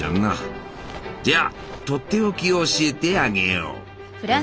じゃあとっておきを教えてあげよう。